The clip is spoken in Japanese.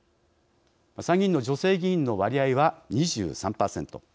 参議院の女性議員の割合は２３％。